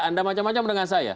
anda macam macam dengan saya